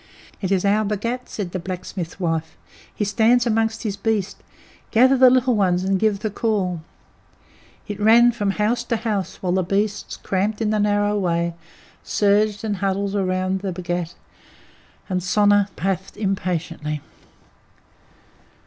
"It is our Bhagat," said the blacksmith's wife. "He stands among his beasts. Gather the little ones and give the call." It ran from house to house, while the beasts, cramped in the narrow way, surged and huddled round the Bhagat, and Sona puffed impatiently.